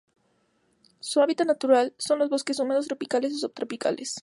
Su hábitat natural son los bosques húmedos tropicales o subtropicales.